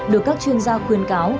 được các chuyên gia khuyên cáo